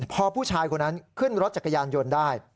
พอผู้ชายคนนั้นขึ้นรถจักรยานยนต์ได้